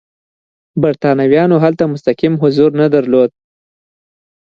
برېټانویانو هلته مستقیم حضور نه درلود.